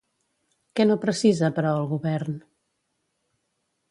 Què no precisa, però, el govern?